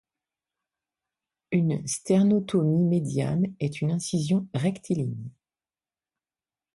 Une sternotomie médiane est une incision rectiligne.